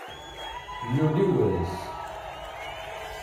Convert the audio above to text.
Yuli wass.